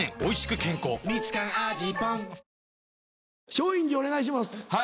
松陰寺お願いします